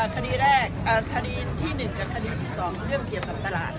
คดีแรกคดีที่๑กับคดีที่๒เรื่องเกี่ยวกับตลาด